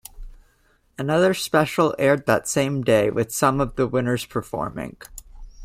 Another special aired that same day with some of the winners performing.